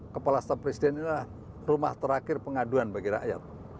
kepala staf presiden inilah rumah terakhir pengaduan bagi rakyat